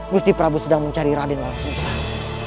musti prap sedang mencari raden walang sungsang